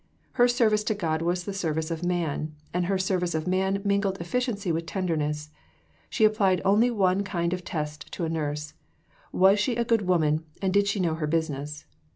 Her service of God was the service of Man, and her service of Man mingled efficiency with tenderness. She applied only one kind of test to a nurse: Was she a good woman, and did she know her business?